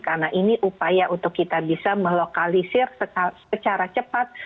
karena ini upaya untuk kita bisa melokalisir secara cepat